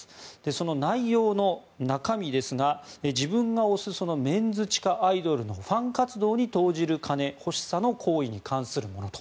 その内容の中身ですが自分が推すそのメンズ地下アイドルのファン活動に投じる金欲しさの行為に関するものと。